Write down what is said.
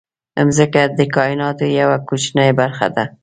مځکه د کایناتو یوه کوچنۍ برخه ده.